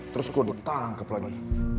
terus gue ditangkap lagi